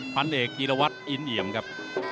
พันเอกกิลวัตต์อินเหยมครับ